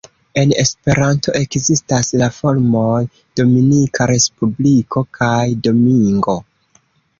En Esperanto ekzistas la formoj "Dominika Respubliko" kaj "Domingo".